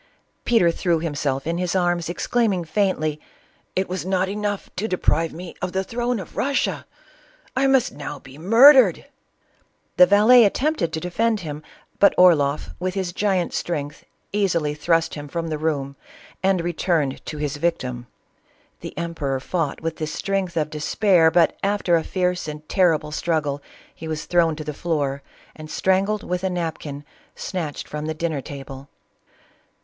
Peter threw himse49in his arras, ex claiming faintly, " It was not enough to deprive me of the throne of Russia !— I must now be murdered !'* The valet attempted to defend him, but Orloff with his giant strength easily thrust him from the room, and re turned to his victim. The emperor fought with the strength of despair, but after a fierce and terrible strug gle he was thrown to the floor and strangled with a napkin, snatched from the dinner table.